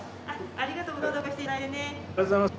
ありがとうございます。